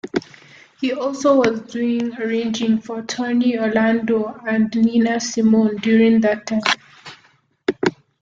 He also was doing arranging for Tony Orlando and Nina Simone during that time.